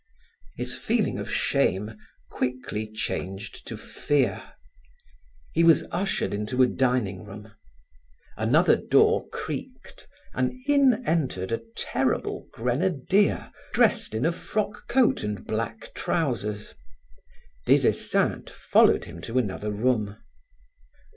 His feeling of shame quickly changed to fear. He was ushered into a dining room. Another door creaked and in entered a terrible grenadier dressed in a frock coat and black trousers. Des Esseintes followed him to another room.